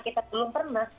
kita belum pernah